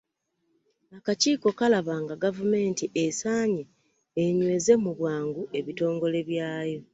Akakiiko kalaba nga Gavumenti esaanye enyweze mu bwangu ebitongole byayo.